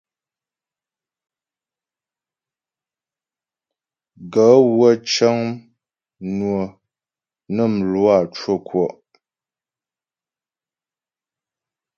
Gaə̂ wə́ cə́ŋ mnwə̀ nə mlwǎ cwə́ ŋkwɔ́'.